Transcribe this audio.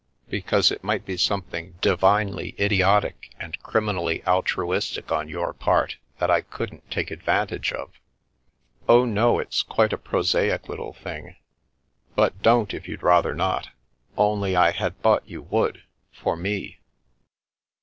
Because it might be something divinely idiotic and tt tt tt The Milky Way criminally altruistic on your part that I couldn't take advantage of." " Oh, no, it's quite a prosaic little thing. But don't if you'd rather not. Only I had thought you would, for me."